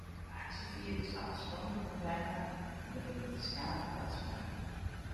De aksjefierders hawwe spandoeken by har en der binne ferskate taspraken.